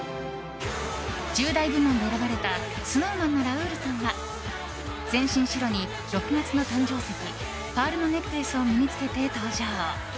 １０代部門で選ばれたＳｎｏｗＭａｎのラウールさんは全身白に６月の誕生石パールのネックレスを身に着けて登場。